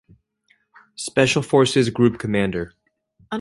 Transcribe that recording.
Special Forces group commander.